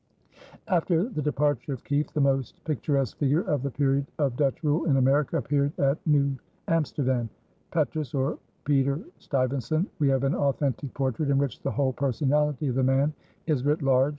After the departure of Kieft the most picturesque figure of the period of Dutch rule in America appeared at New Amsterdam, Petrus or Pieter Stuyvesant. We have an authentic portrait in which the whole personality of the man is writ large.